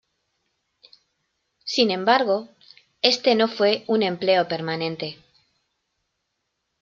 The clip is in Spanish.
Sin embargo, este no fue un empleo permanente.